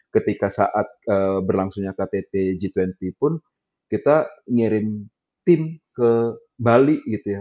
ketika saat berlangsungnya ktt g dua puluh pun kita ngirim tim ke bali gitu ya